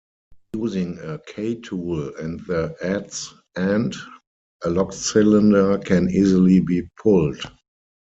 Using a K-tool and the adze end, a lock cylinder can easily be pulled.